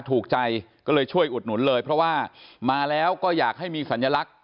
ถูกใจก็เลยช่วยอุดหนุนเลยเพราะว่ามาแล้วก็อยากให้มีสัญลักษณ